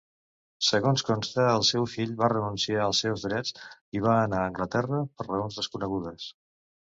Segons consta, el seu fill va renunciar als seus drets i va anar a Anglaterra, per raons desconegudes.